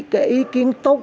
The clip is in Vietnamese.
cái ý kiến tốt